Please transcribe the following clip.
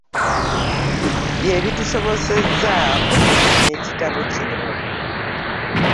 Bye bitusobozesezza okufulumya ekitabo kino.